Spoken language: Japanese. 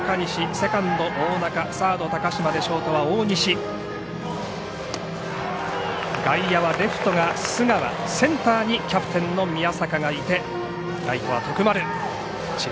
セカンド大仲ショート大西、サード高嶋外野はレフトが須川センターにキャプテンの宮坂がいてライトは徳丸智弁